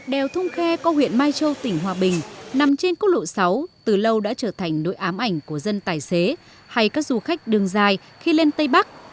đèo thung khe có huyện mai châu tỉnh hòa bình nằm trên cốt lộ sáu từ lâu đã trở thành nỗi ám ảnh của dân tài xế hay các du khách đường dài khi lên tây bắc